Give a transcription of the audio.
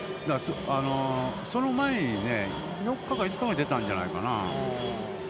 その前にね、４日か５日に出たんじゃないかな。